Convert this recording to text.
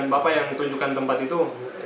bapak yang tunjukkan tempat itu